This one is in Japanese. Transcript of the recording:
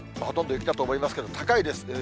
ほとんど雪だと思いますけど、高いです。